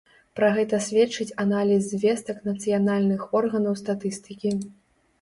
Пра гэта сведчыць аналіз звестак нацыянальных органаў статыстыкі.